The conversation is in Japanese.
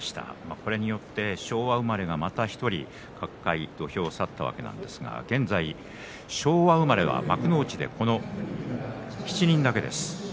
これによって昭和生まれがまた１人角界、土俵を去ったわけなんですが現在昭和生まれは幕内で７人だけです。